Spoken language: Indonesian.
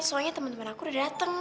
soalnya temen temen aku udah dateng